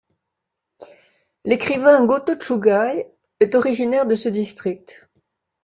L'écrivain Gotō Chūgai est originaire de ce district.